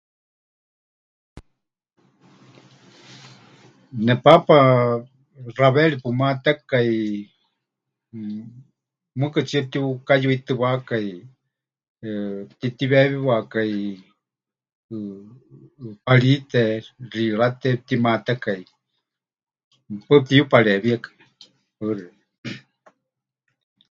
Nepaapa xaweeri pɨmatekai, mɨɨkɨtsie pɨtiukayuitɨwakai, eh, pɨtitiweewikai ʼɨparíte, xiirate pɨtimatekai, paɨ pɨtiyuparewiekai. Paɨ xeikɨ́a.